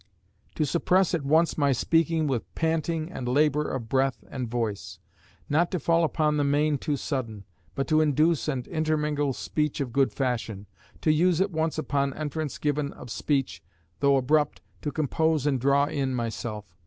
"To suppress at once my speaking, with panting and labour of breath and voice. Not to fall upon the main too sudden, but to induce and intermingle speech of good fashion. To use at once upon entrance given of speech, though abrupt, to compose and draw in myself.